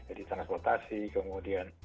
jadi transportasi kemudian